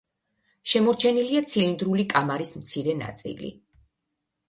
შემორჩენილია ცილინდრული კამარის მცირე ნაწილი.